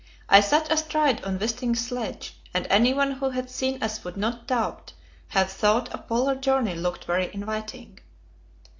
I sat astride on Wisting's sledge, and anyone who had seen us would no doubt have thought a Polar journey looked very inviting.